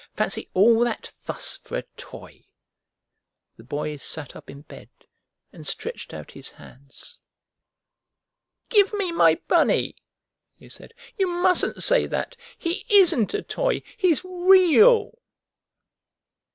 "Fancy all that fuss for a toy!" The Boy sat up in bed and stretched out his hands. "Give me my Bunny!" he said. "You mustn't say that. He isn't a toy. He's REAL!"